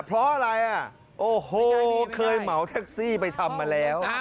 เพราะอะไรอ่ะโอ้โหเคยเหมาแท็กซี่ไปทำมาแล้ว